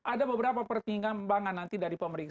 ada beberapa pertimbangan nanti dari pemeriksaan